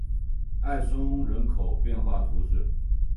埃松人口变化图示